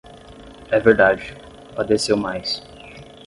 É verdade, padeceu mais.